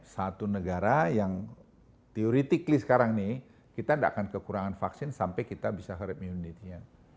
satu negara yang teoretically sekarang ini kita tidak akan kekurangan vaksin sampai kita bisa herd immunity nya